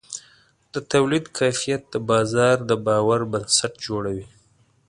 د تولید کیفیت د بازار د باور بنسټ جوړوي.